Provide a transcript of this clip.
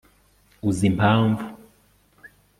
uzi impamvu